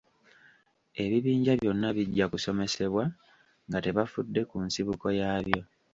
Ebibinja byonna bijja kusomesebwa nga tebafudde ku nsibuko yaabyo.